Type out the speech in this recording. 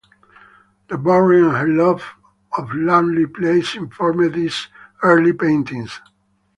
The Burren and her love of lonely places informed these early paintings.